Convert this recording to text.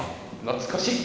懐かしい。